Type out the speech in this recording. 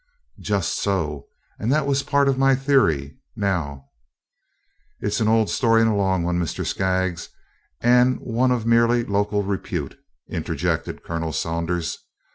"Just so, and that was part of my theory. Now " "It 's an old story and a long one, Mr. Skaggs, and one of merely local repute," interjected Colonel Saunders.